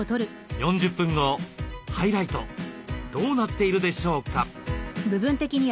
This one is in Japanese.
ハイライトどうなっているでしょうか？